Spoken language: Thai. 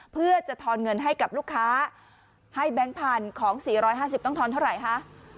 เพื่อจะทอนเงินให้กับลูกค้าให้แบงค์พันธุ์ของ๔๕๐ต้องทอนเท่าไหร่คะ